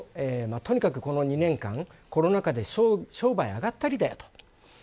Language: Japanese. とにかく、この２年間コロナ禍で商売が上がったりだよと。